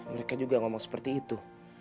mereka juga ngomong seperti itu